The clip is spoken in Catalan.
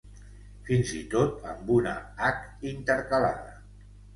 Fins i tot amb una hac intercalada.